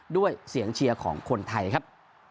ด้วยเสียงเชียร์ของคนไทยครับ